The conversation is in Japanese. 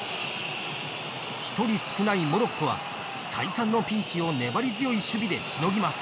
１人少ないモロッコは再三のピンチを粘り強い守備でしのぎます。